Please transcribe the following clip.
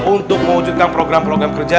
untuk mewujudkan program program kerja